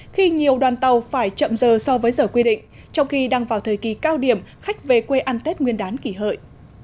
khi nhiều đoàn tàu phải chậm giờ so với giờ quy định trong khi đang vào thời kỳ cao điểm khách về quê ăn tết nguyên đán kỷ hợi